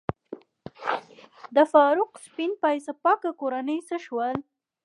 د فاروق سپین پایڅه پاکه کورنۍ څه شول؟